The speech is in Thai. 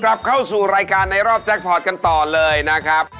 กลับเข้าสู่รายการในรอบแจ็คพอร์ตกันต่อเลยนะครับ